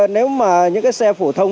nếu mà những cái xe phổ thông